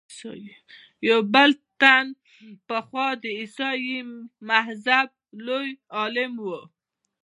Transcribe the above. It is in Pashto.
یو بل تن پخوا د عیسایي مذهب لوی عالم و.